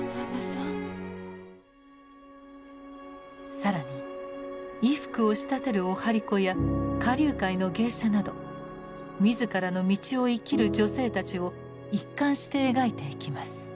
更に衣服を仕立てるお針子や花柳界の芸者など自らの道を生きる女性たちを一貫して描いていきます。